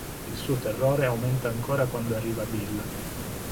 Il suo terrore aumenta ancora quando arriva Bill.